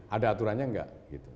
ada aturannya nggak